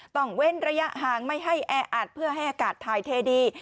เว้นระยะห่างไม่ให้แออัดเพื่อให้อากาศถ่ายเทดี